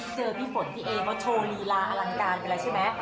พี่ฝนพี่เอเขาโชว์ลีลาอลังการไปแล้วใช่ไหม